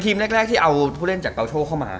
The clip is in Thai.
ทีมแรกที่เอาผู้เล่นจากเกาโชคเข้ามา